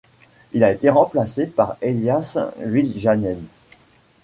Il a été remplacé par Elias Viljanen.